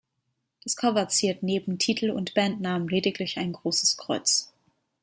Das Cover ziert neben Titel und Bandnamen lediglich ein großes Kreuz.